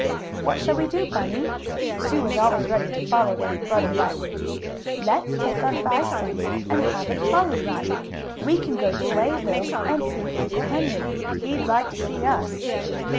"What shall we do, Bunny?" Sue was always ready to follow where her brother led. "Let's take our five cents and have a trolley ride! We can go to Wayville and see Uncle Henry. He'd like to see us."